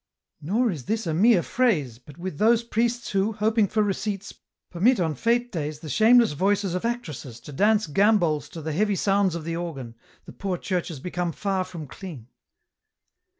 " Nor is this a mere phrase, but with those priests who, hoping for receipts, permit on fete days the shameless voices of actresses to dance gambols to the heavy sounds of the organ, the poor Church has become far from clean.